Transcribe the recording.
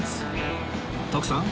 徳さん